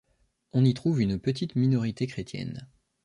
On y trouve une petite minorité chrétienne.